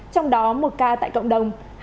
trong đó một ca tại cộng đồng